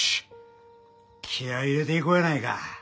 気合入れていこうやないか。